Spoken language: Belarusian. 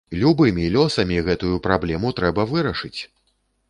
Любымі лёсамі гэтую праблему трэба вырашыць!